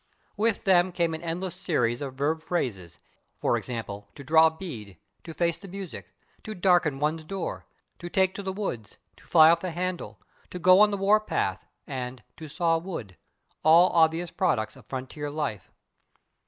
With them came an endless series of verb phrases, /e. g./, /to draw a bead/, /to face the music/, /to darken one's doors/, /to take to the woods/, /to fly off the handle/, /to go on the war path/ and /to saw wood/ all obvious products of frontier life.